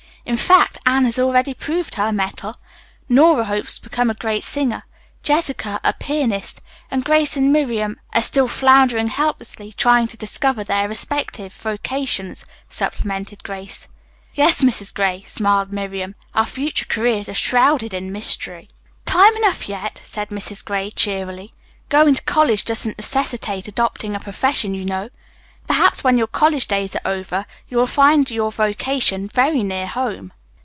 In fact, Anne has already proved her mettle. Nora hopes to become a great singer, Jessica a pianiste and Grace and Miriam " "Are still floundering helplessly, trying to discover their respective vocations," supplemented Grace. "Yes, Mrs. Gray," smiled Miriam, "our future careers are shrouded in mystery." "Time enough yet," said Mrs. Gray cheerily. "Going to college doesn't necessitate adopting a profession, you know. Perhaps when your college days are over you will find your vocation very near home."